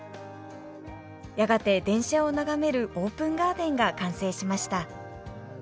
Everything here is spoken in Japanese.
やがて電車を眺めるオープンガーデンが完成しました。